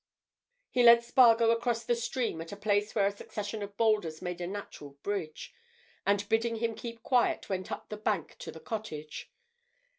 He led Spargo across the stream at a place where a succession of boulders made a natural bridge, and bidding him keep quiet, went up the bank to the cottage.